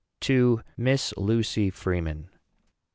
TO MISS LUCY FREEMAN.